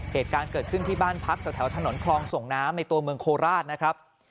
เหตุการณ์เกิดขึ้นที่บ้านพักแถวถนนคลองส่งน้ำในตัวเมืองโคราชนะครับ